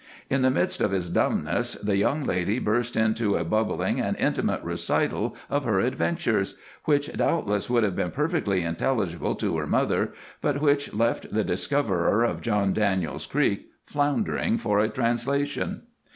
In the midst of his dumbness the young lady burst into a bubbling and intimate recital of her adventures, which doubtless would have been perfectly intelligible to her mother, but which left the discoverer of John Daniels Creek floundering for a translation.